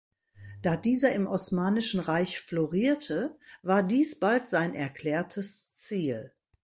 Da dieser im Osmanischen Reich florierte, war dies bald sein erklärtes Ziel.